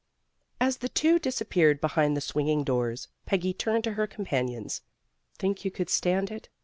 As the two disappeared behind the swing ing doors, Peggy turned to her companions. "Think you could stand it!"